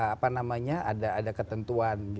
apa namanya ada ketentuan